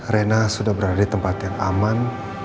rena sudah berada di tempat yang aman